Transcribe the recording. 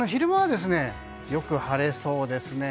明日の昼間はよく晴れそうですね。